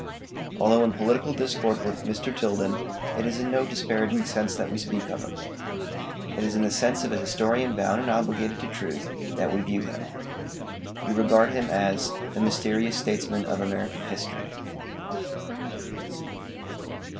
Although in political discord with Mr. Tilden, it is in no disparaging sense that we speak of him. It is in the sense of a historian bound and obligated to truth that we view him. We regard him as the MYSTERIOUS STATESMAN OF AMERICAN HISTORY.